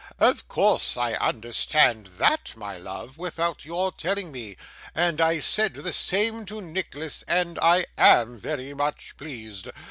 Of course, I understand THAT, my love, without your telling me; and I said the same to Nicholas, and I AM very much pleased.